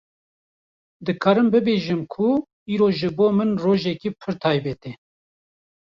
Dikarim bibêjim ku îro ji bo min rojeke pir taybet e